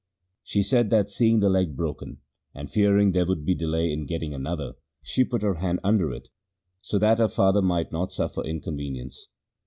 She said that seeing the leg broken, and fearing that there would be delay in getting another, she put her hand under it, so that her father might not suffer inconvenience.